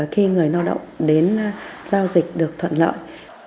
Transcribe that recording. khi người lao động đến giao dịch được thuận lợi